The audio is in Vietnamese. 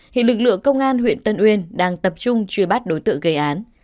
hiện lực lượng công an huyện tân uyên đang tập trung truy bắt đối tượng gây án